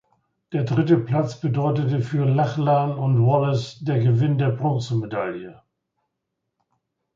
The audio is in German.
Der dritte Platz bedeutete für Lachlan und Wallace der Gewinn der Bronzemedaille.